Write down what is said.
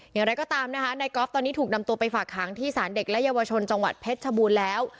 อย่างไรก็ตามนะคะนายกอล์ฟตอนนี้ถูกนำตัวไปฝากหางที่สารเด็กและเยาวชนจังหวัดเพชรชบูรณ์แล้ว